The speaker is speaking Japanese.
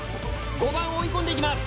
５番を追い込んで行きます。